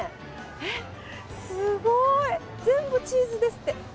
えっ、すごーい、全部チーズですって。